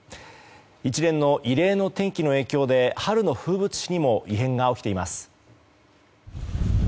一連の異例の天気の影響で春の風物詩にも異変が起きています。